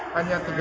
banyak atau tidak